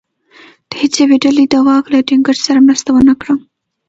د هېڅ یوې ډلې دواک له ټینګښت سره مرسته ونه کړه.